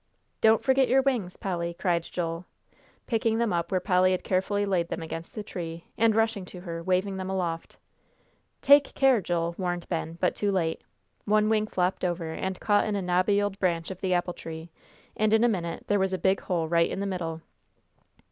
"Don't forget your wings, Polly," cried Joel, picking them up where Polly had carefully laid them against the tree, and rushing to her, waving them aloft. "Take care, Joel" warned Ben, but too late. One wing flopped over, and caught in a knobby old branch of the apple tree, and in a minute there was a big hole right in the middle!